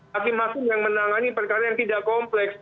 hakim hakim yang menangani perkara yang tidak kompleks